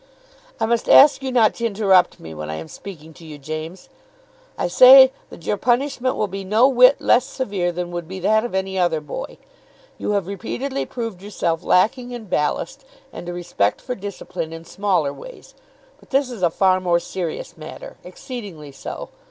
"I must ask you not to interrupt me when I am speaking to you, James. I say that your punishment will be no whit less severe than would be that of any other boy. You have repeatedly proved yourself lacking in ballast and a respect for discipline in smaller ways, but this is a far more serious matter. Exceedingly so.